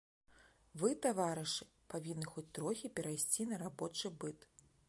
Вы, таварышы, павінны хоць трохі перайсці на рабочы быт.